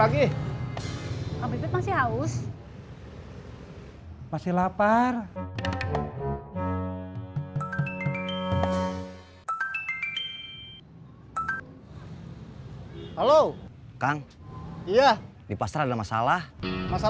gak perlu pemandangan